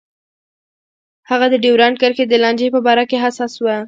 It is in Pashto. هغه د ډیورنډ کرښې د لانجې په باره کې حساس و.